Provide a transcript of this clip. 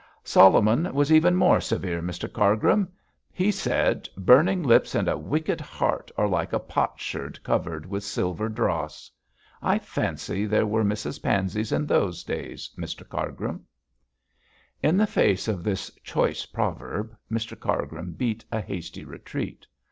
'Solomon was even more severe, Mr Cargrim. He said, "Burning lips and a wicked heart are like a potsherd covered with silver dross." I fancy there were Mrs Panseys in those days, Mr Cargrim.' In the face of this choice proverb Mr Cargrim beat a hasty retreat.